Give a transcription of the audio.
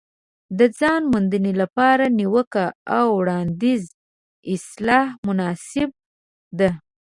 د ځان موندنې لپاره نیوکه او وړاندیز اصطلاح مناسبه ده.